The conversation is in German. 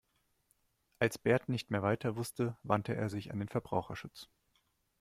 Als Bert nicht mehr weiter wusste, wandte er sich an den Verbraucherschutz.